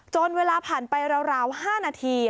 เวลาผ่านไปราว๕นาที